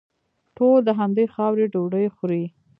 ټول د همدې خاورې ډوډۍ خوري.